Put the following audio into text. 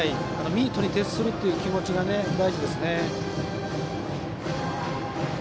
ミートに徹するという気持ちが大事です。